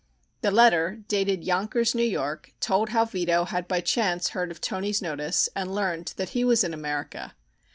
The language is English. The letter, dated Yonkers, New York, told how Vito had by chance heard of Toni's notice and learned that he was in America.